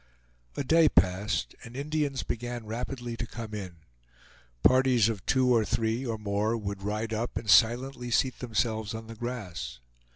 A day passed, and Indians began rapidly to come in. Parties of two or three or more would ride up and silently seat themselves on the grass.